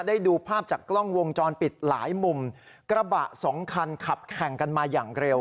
ได้ดูภาพจากกล้องวงจรปิดหลายมุมกระบะสองคันขับแข่งกันมาอย่างเร็ว